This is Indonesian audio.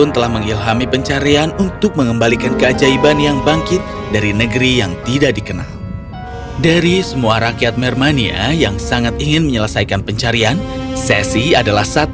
tolong jaga dia squad